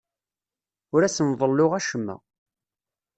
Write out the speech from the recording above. Ur asen-ḍelluɣ acemma.